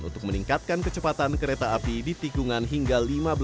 untuk meningkatkan kecepatan kereta api di tikungan hingga lima belas